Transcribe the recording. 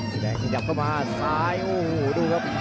สีแดงขยับเข้ามาซ้ายโอ้โหดูครับ